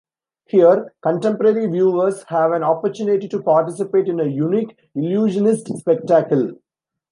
Here, contemporary viewers have an opportunity to participate in a unique illusionist spectacle.